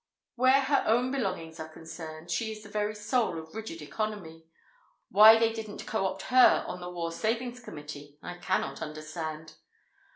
Where her own belongings are concerned, she is the very soul of rigid economy; why they didn't co opt her on to the War Savings Committee I cannot understand.